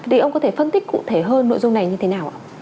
thì ông có thể phân tích cụ thể hơn nội dung này như thế nào ạ